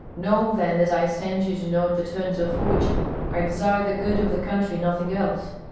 Know then that I send you to note the turns of fortune. I desire the good of the country, nothing else.